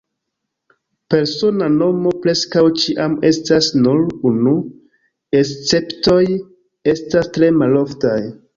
Persona nomo preskaŭ ĉiam estas nur unu, esceptoj estas tre maloftaj.